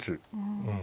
うん。